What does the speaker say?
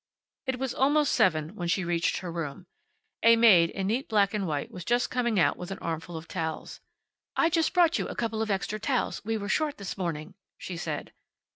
It was almost seven when she reached her room. A maid, in neat black and white, was just coming out with an armful of towels. "I just brought you a couple of extra towels. We were short this morning," she said.